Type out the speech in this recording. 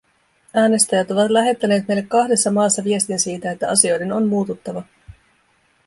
Äänestäjät ovat lähettäneet meille kahdessa maassa viestin siitä, että asioiden on muututtava.